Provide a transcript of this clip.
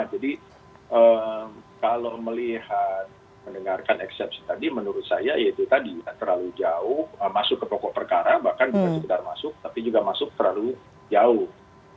jadi kalau melihat mendengarkan eksepsi tadi menurut saya itu tadi terlalu jauh masuk ke pokok perkara bahkan juga masuk terlalu jauh